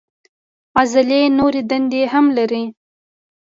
عضلې نورې دندې هم لري.